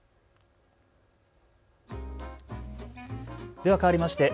ではかわりまして＃